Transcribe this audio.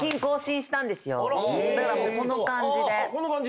だからこの感じで。